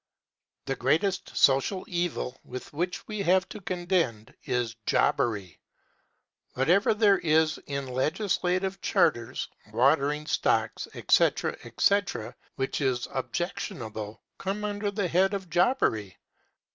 The greatest social evil with which we have to contend is jobbery. Whatever there is in legislative charters, watering stocks, etc., etc., which is objectionable, comes under the head of jobbery.